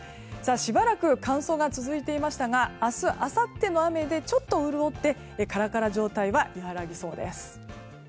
しばらく乾燥が続いていましたが明日あさっての雨でちょっと潤ってカラカラ状態は和らぎそうです。